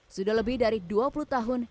sudah lebih dari dua puluh tahun